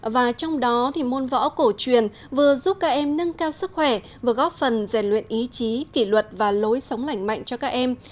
và trong đó thì môn võ cổ truyền vừa giúp các em nâng cao sức khỏe vừa góp phần rèn luyện ý chí kỷ luật và lối sống lành mạnh cho các em